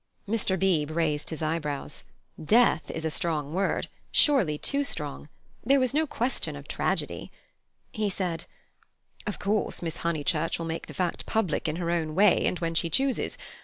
Mr. Beebe raised his eyebrows. Death is a strong word—surely too strong. There was no question of tragedy. He said: "Of course, Miss Honeychurch will make the fact public in her own way, and when she chooses.